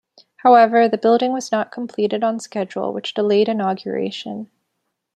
However, the building was not completed on schedule which delayed inauguration.